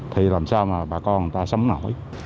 thì làm sao mà bà con người ta sống nổi